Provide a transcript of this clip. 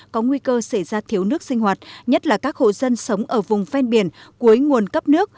có nguy cơ xảy ra thiếu nước sinh hoạt nhất là các hộ dân sống ở vùng ven biển cuối nguồn cấp nước